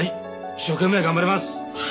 一生懸命頑張ります！